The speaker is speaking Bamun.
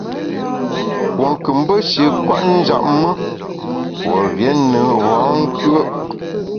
Pue nkù mbe shi nkwet njap me, pue rié ne bankùe’.